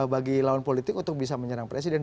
bagi lawan politik untuk bisa menyerang presiden